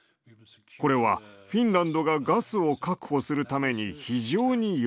「これはフィンランドがガスを確保するために非常に良いことだ」と。